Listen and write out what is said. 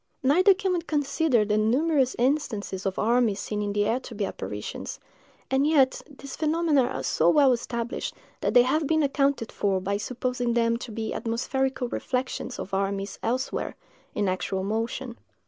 Neither can we consider the numerous instances of armies seen in the air to be apparitions; and yet these phenomena are so well established that they have been accounted for by supposing them to be atmospherical reflections of armies elsewhere, in actual motion.